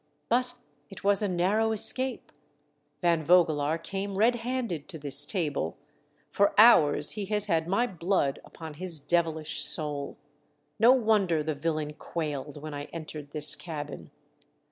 But it was a narrow escape. Van Vogelaar came red handed to this table. For hours he has had my blood upon his devilish soul. No wonder the villain quailed when I entered this cabin."